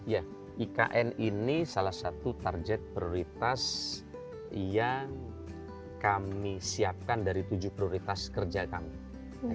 ya ikn ini salah satu target prioritas yang kami siapkan dari tujuh prioritas kerja kami